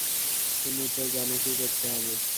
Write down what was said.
তুমি তো জান কি করতে হবে।